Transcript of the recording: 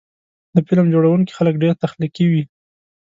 د فلم جوړوونکي خلک ډېر تخلیقي وي.